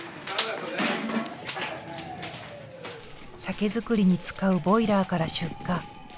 酒造りに使うボイラーから出火。